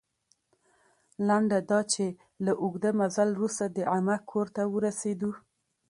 لنډه دا چې، له اوږده مزل وروسته د عمه کور ته ورسېدو.